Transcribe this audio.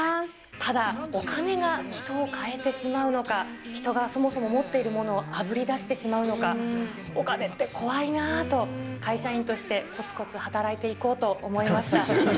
ただ、お金が人を変えてしまうのか、人がそもそも持っているものをあぶり出してしまうのか、お金って怖いなと、会社員としてこつこつ働いていこうと思いました。